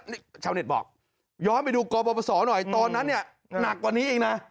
นี่ชาวเน็ตบอกย้อนไปดูกรปศหน่อยตอนนั้นเนี่ยหนักกว่านี้เองนะ